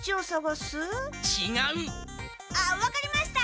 あっ分かりました！